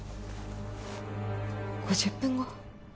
５０分後？